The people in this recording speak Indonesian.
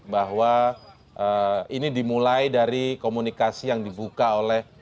bahwa ini dimulai dari komunikasi yang dibuka oleh